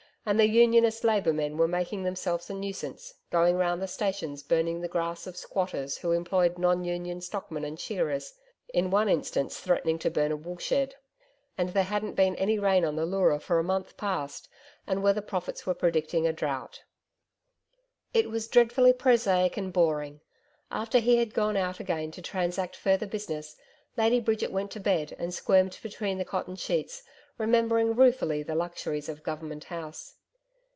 And the Unionist labour men were making themselves a nuisance going round the stations burning the grass of squatters who employed non Union stockmen and shearers in one instance, threatening to burn a woolshed. And there hadn't been any rain on the Leura for a month past, and weather prophets were predicting a drought. It was dreadfully prosaic and boring. After he had gone out again to transact further business, Lady Bridget went to bed and squirmed between the cotton sheets, remembering ruefully the luxuries of Government House.